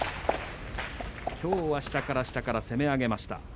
きょうは下から下から攻め上げました。